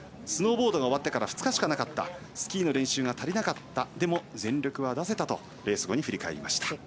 スノーボードが終わってから２日しかなかった練習が足りなかったが全力出せたとレース後に振り返りました。